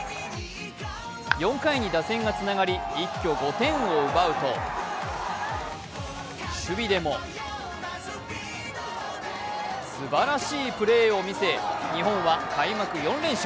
４回に打線がつながり一挙５点を奪うと守備でも、すばらしいプレーを見せ日本は開幕４連勝。